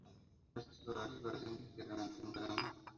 Estos horarios varían ligeramente en verano.